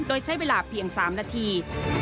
โดยใช้เวลาเพียง๓นาที